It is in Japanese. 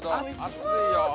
熱いよ。